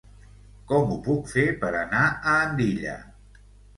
Com ho puc fer per anar a Andilla?